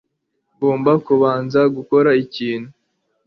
ngomba kubanza gukora ikintu